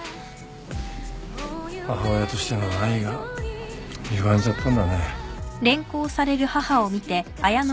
母親としての愛がゆがんじゃったんだね。